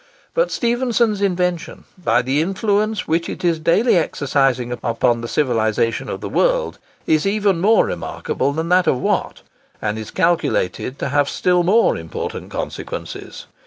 But Stephenson's invention, by the influence which it is daily exercising upon the civilisation of the world, is even more remarkable than that of Watt, and is calculated to have still more important consequences.